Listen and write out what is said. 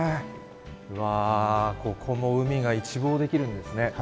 うわー、ここも海が一望できるんですね。